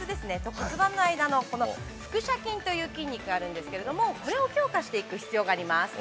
骨盤の間の、腹斜筋という筋肉、これを強化していく必要があります。